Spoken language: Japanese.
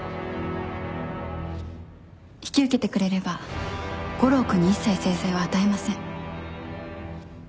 引き受けてくれれば悟郎君に一切制裁は与えません。